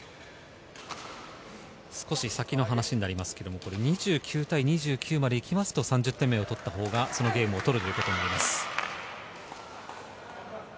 少し先の話になりますが、２９対２９まで行くと３０点目を取ったほうがそのゲームを取ることになります。